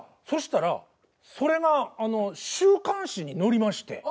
そしたらそれが週刊誌に載りまして。